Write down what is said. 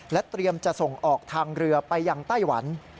เตรียมจะส่งออกทางเรือไปยังไต้หวัน